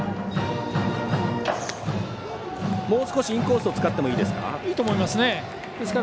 もう少しインコースを使ってもいいですか。